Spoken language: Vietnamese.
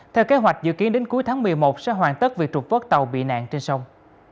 theo kế hoạch dự kiến đến cuối tháng một mươi một sẽ hoàn tất việc trục vớt tàu bị nạn trên sông